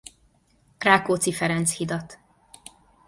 Rákóczi Ferenc-hidat.